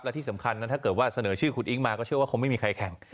และที่สำคัญนั้นถ้าเกิดว่าเสนอชื่อคุณอิ๊งมาก็เชื่อว่าคงไม่มีใครแข่ง